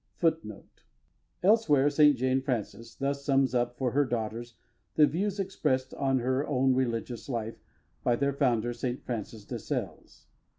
FOOTNOTES: [A] Elsewhere St. Jane Frances thus sums up for her daughters the views expressed to her on religious life by their Founder, St. Francis de Sales.